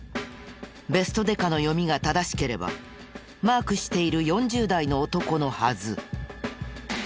ベストデカの読みが正しければマークしている４０代の男のはず。